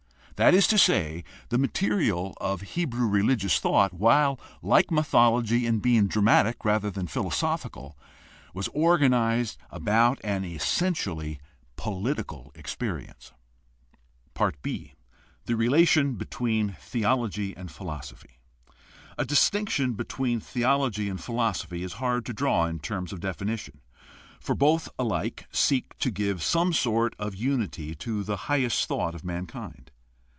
That is to say, the material of Hebrew religious thought, while like mythology in being dramatic rather than philosophical, was organized about an essentially political experience. Literature. — See Fiske, Myths and Mythmakers, (Boston: Osgood, 1873; 3d ed., Houghton Mifflin Co., 1900). b) The relation between theology and philosophy. — A dis tinction between theology and philosophy is hard to draw in terms of definition, for both alike seek to give some sort of unity to the highest thought of mankind.